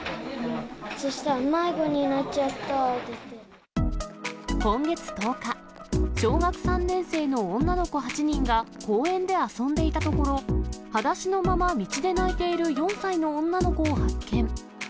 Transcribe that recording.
そしたら、今月１０日、小学３年生の女の子８人が公園で遊んでいたところ、はだしのまま道で泣いている４歳の女の子を発見。